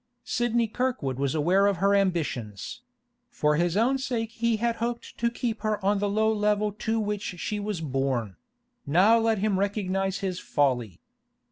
Sidney Kirkwood was aware of her ambitions; for his own sake he had hoped to keep her on the low level to which she was born; now let him recognise his folly!